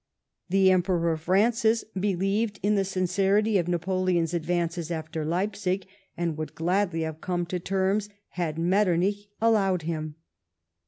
The Emperor Francis believed in the sincerity of Napoleon's advances after Leipsig, and would gladly have come to terms, had jNIettornich allowed him.